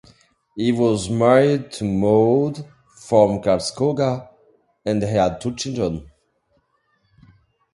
He was married to Maud from Karlskoga and they had two children.